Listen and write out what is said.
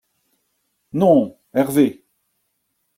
—«Non, Hervé.